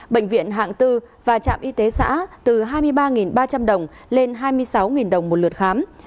bệnh viện hạng bốn và trạm y tế xã từ hai mươi ba ba trăm linh đồng lên hai mươi sáu đồng một lượt khám